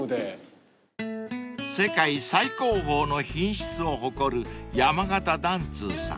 ［世界最高峰の品質を誇る山形緞通さん］